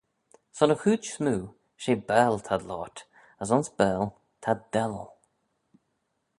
Son y chooid smoo, she Baarle t'ad loayrt, as ayns Baarle, t'ad dellal.